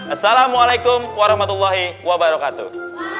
assalamualaikum warahmatullahi wabarakatuh